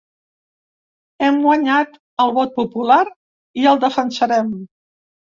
Hem guanyat el vot popular i el defensarem!